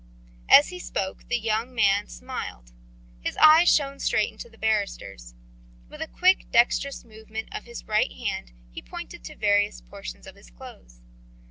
As he spoke the young man smiled. His eyes shone straight into the barrister's. With a quick, dexterous movement of his right hand he pointed to various portions of his clothes.